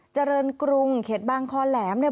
เจริญกรุงเขตบางคอแหลมเนี่ย